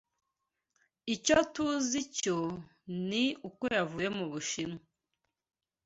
Icyo TUZI cyo ni uko yavuye mu Bushinwa.